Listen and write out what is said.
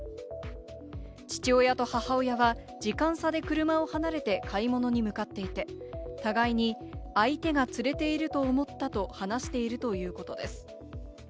父親と母親は時間差で車を離れて買い物に向かっていて、互いに相手が連れていると思ったと話しているということです。